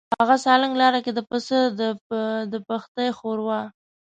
هغه سالنګ لاره کې د پسه د پښتۍ ښوروا.